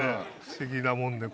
不思議なもんで。